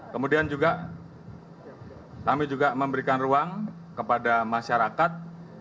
kemudian juga kami juga memberikan ruang kepada masyarakat